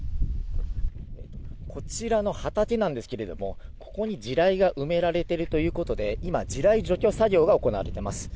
こちらの畑なんですけれども、ここに地雷が埋められてるということで、今、地雷除去作業が行われています。